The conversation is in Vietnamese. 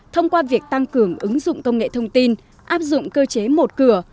thông qua việc tăng cường ứng dụng công nghệ thông tin áp dụng cơ chế một cửa